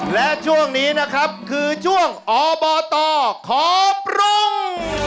และช่วงนี้นะครับคือช่วงอบตขอปรุง